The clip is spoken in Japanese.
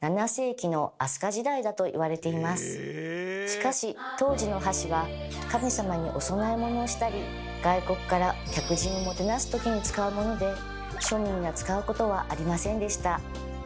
しかし当時の箸は神様にお供え物をしたり外国から客人をもてなす時に使うもので庶民が使うことはありませんでした。